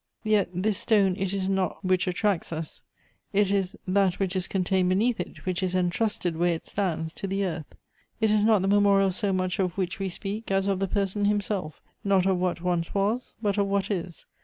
Yet this stone it is not which attracts us ; it is that which is con tained beneath it, which is entrusted, where it stands, to the earth. It is not the memorial so much of which we speak, as of the person himself; not of what once was, but of what is.